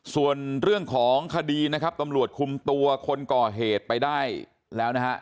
ส่วนเรื่องของคดีนะครับตำรวจคุมตัวคนก่อเหตุไปได้แล้วนะฮะ